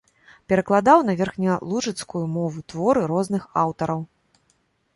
Перакладаў на верхнялужыцкую мову творы розных аўтараў.